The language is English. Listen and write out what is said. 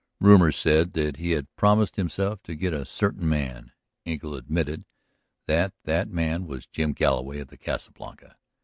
Rumor said that he had promised himself to "get" a certain man; Engle admitted that that man was Jim Galloway of the Casa Blanca.